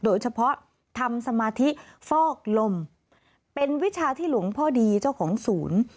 โดยเฉพาะทำสมาธิฟอกลมเป็นวิชาที่หลวงพ่อดีเจ้าของศูนย์